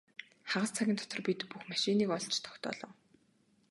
Хагас цагийн дотор бид бүх машиныг олж тогтоолоо.